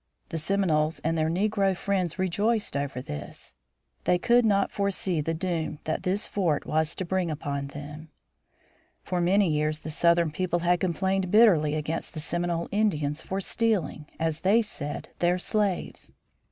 The Seminoles and their negro friends rejoiced over this. They could not foresee the doom that this fort was to bring upon them. For many years the Southern people had complained bitterly against the Seminole Indians for "stealing," as they said, their slaves.